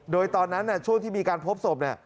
โดยตอนนั้นช่วงที่มีการพบศพ